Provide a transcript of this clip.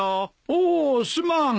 おおすまん。